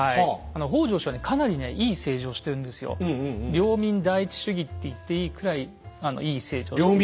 領民第一主義って言っていいくらいいい政治をしていまして。